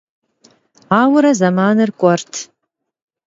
Auere zemanri k'uert.